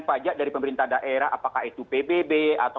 dan juga untuk pemerintah yang diberikan kepadanya